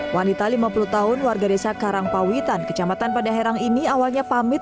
wanita lima puluh tahun warga desa karangpawitan kecamatan pada herang ini awalnya pamit